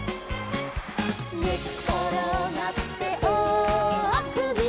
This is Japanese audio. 「ねっころがっておおあくびの」